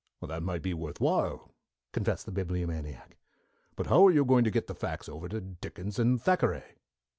"That might be worth while," confessed the Bibliomaniac. "But how are you going to get the facts over to Dickens and Thackeray?"